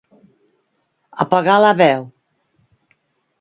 Apagar la veu.